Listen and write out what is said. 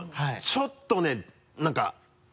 ちょっとね何か。